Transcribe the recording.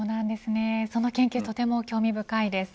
その研究とても興味深いです。